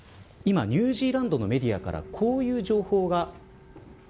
今、ニュージーランドのメディアからこういう情報が。